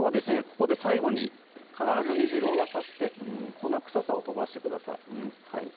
ここで最後に必ず煮汁を沸かして粉臭さを飛ばしてください